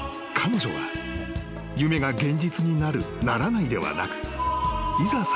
彼女は夢が現実になるならないではなくいざ